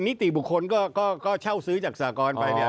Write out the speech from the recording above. นิติบุคคลก็เช่าซื้อจากสากรไปเนี่ย